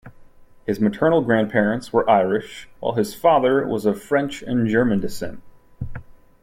His maternal grandparents were Irish, while his father was of French and German descent.